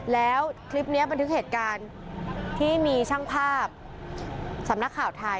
แล้วคลิปนี้บันทึกเหตุการณ์ที่มีช่างภาพสำนักข่าวไทย